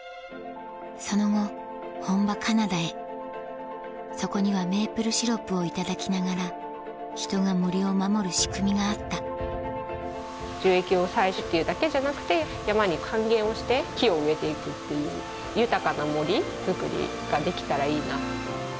その後本場カナダへそこにはメープルシロップを頂きながら人が森を守る仕組みがあった樹液を採取っていうだけじゃなくて山に還元をして木を植えていくっていう豊かな森づくりができたらいいな。